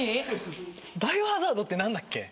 『バイオハザード』って何だっけ？